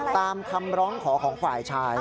ตามคำร้องขอของฝ่ายชาย